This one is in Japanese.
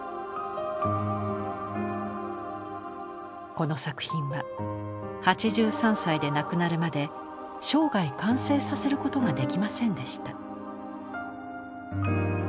この作品は８３歳で亡くなるまで生涯完成させることができませんでした。